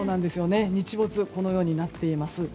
日没このようになっています。